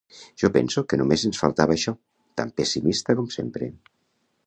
Jo penso que només ens faltava això, tan pessimista com sempre.